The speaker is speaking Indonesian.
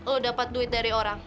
lo dapat duit dari orang